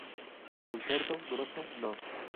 Concerto Grosso No.